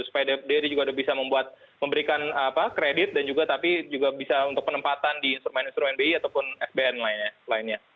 supaya dia juga bisa membuat memberikan kredit dan juga tapi juga bisa untuk penempatan di instrumen instrumen bi ataupun fbn lainnya